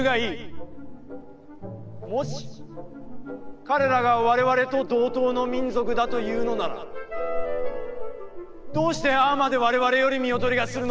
もし彼らがわれわれと同等の民族だというのなら、どうしてああまでわれわれより見劣りがするのか？